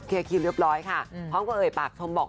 คิวเรียบร้อยค่ะพร้อมกับเอ่ยปากชมบอก